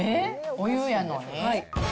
お湯やのに？